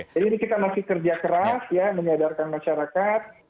jadi ini kita masih kerja keras ya menyadarkan masyarakat